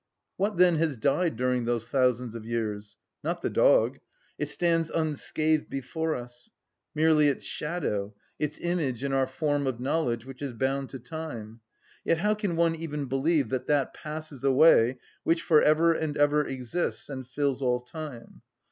What, then, has died during those thousands of years? Not the dog—it stands unscathed before us; merely its shadow, its image in our form of knowledge, which is bound to time. Yet how can one even believe that that passes away which for ever and ever exists and fills all time?